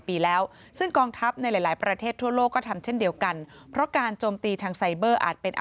แต่คุณไม่ได้คุยกับสิ่งที่ไหน